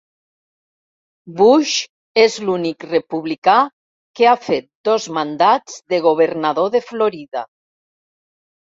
Bush és l'únic republicà que ha fet dos mandats de governador de Florida.